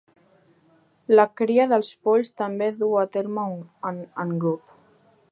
La cria dels polls també es duu a terme en grup.